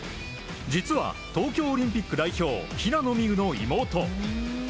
実は、東京オリンピック代表平野美宇の妹。